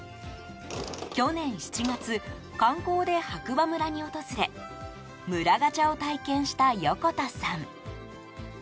去年７月、観光で白馬村に訪れ村ガチャを体験した横田さん。